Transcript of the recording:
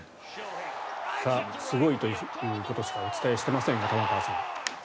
すごいということしかお伝えしていませんが玉川さん。